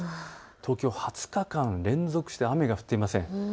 東京２０日間、連続して雨が降っていません。